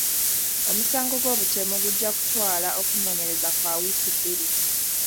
Omusango gw'obutemu gujja kutwala okunoonyereza kwa wiiki bbiri.